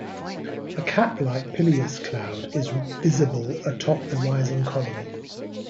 A cap-like pileus cloud is visible atop the rising column.